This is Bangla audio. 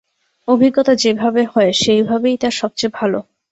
অভিজ্ঞতা যে ভাবে হয়, সেই ভাবেই তা সবচেয়ে ভাল।